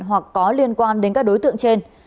hoặc có liên quan đến các đối tượng trên